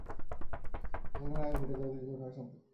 বছরখানেক আগে ঘটে যাওয়া কিছু ঘটনা সম্পর্কে।